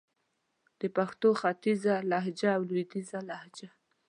د پښتو ختیځه لهجه او لويديځه لهجه